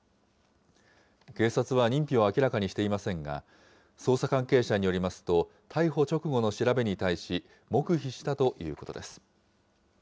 警察は認否を明らかにしていませんが、捜査関係者によりますと、逮捕直後の調べに対し、黙秘したということです。